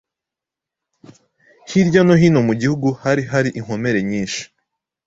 hirya no hino mu gihugu hari hari inkomere nyinshi,